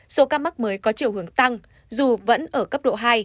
số ca mắc mới có chiều hướng tăng dù vẫn ở cấp độ hai